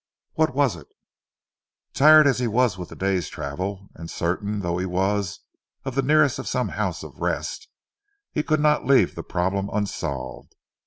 What was it? Tired as he was with the day's travel, and certain though he was of the nearness of some house of rest, he could not leave the problem unsolved.